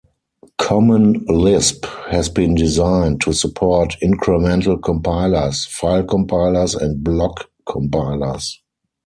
Common Lisp has been designed to support incremental compilers, file compilers and block compilers.